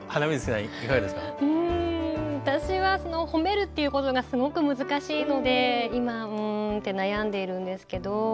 うん私はその褒めるっていうことがすごく難しいので今うんって悩んでいるんですけど。